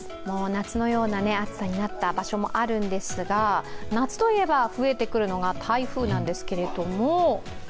もう夏のような暑さになった場所もあるんですが、夏といえば増えてくるのが台風なんですけども。